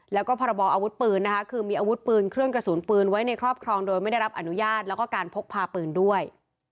แล้วก็พรบออาวุธปืนนะคะคือมีอาวุธปืนเครื่องกระสุนปืนไว้ในครอบครองโดยไม่ได้รับอนุญาตแล้วก็การพกพาปืนด้วย